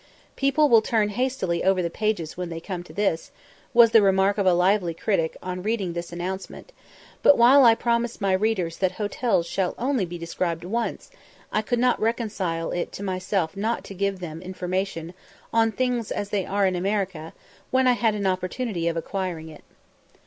"People will turn hastily over the pages when they corne to this" was the remark of a lively critic on reading this announcement; but while I promise my readers that hotels shall only be described once, I could not reconcile it to myself not to give them information on "Things as they are in America," when I had an opportunity of acquiring it.